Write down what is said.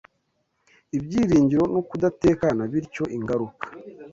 ibyiringiro no kudatekana bityo ingaruka